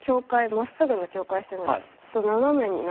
まっすぐな境界線がちょっと斜めになって。